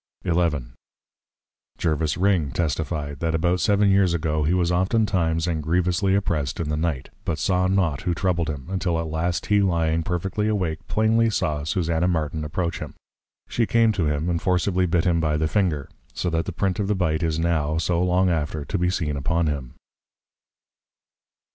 XI. Jervis Ring testify'd, That about seven years ago, he was oftentimes and grievously oppressed in the Night, but saw not who troubled him; until at last he Lying perfectly Awake, plainly saw Susanna Martin approach him. She came to him, and forceably bit him by the Finger; so that the Print of the bite is now, so long after, to be seen upon him.